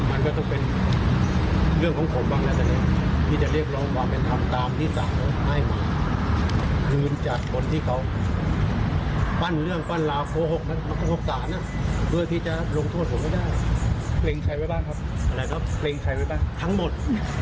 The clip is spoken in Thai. อะไรครับเพลงใช้ไว้ป่ะทั้งหมด